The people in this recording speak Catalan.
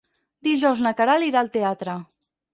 Dijous na Queralt irà al teatre.